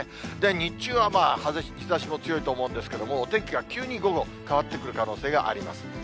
日中は日ざしも強いと思うんですけれども、お天気が急に午後、変わってくる可能性があります。